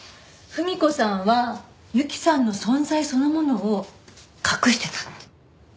文子さんは雪さんの存在そのものを隠してたって。